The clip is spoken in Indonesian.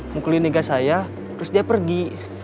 mukulin liga saya terus dia pergi